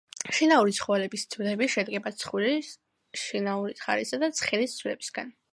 შინაური ცხოველების ძვლები შედგება ცხვრის, შინაური ხარისა და ცხენის ძვლებისაგან.